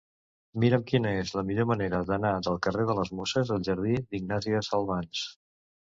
Mira'm quina és la millor manera d'anar del carrer de les Muses al jardí d'Ignàsia Salvans.